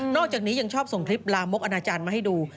อกจากนี้ยังชอบส่งคลิปลามกอนาจารย์มาให้ดู